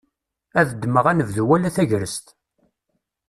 Ad ddmeɣ anebdu wala tagrest.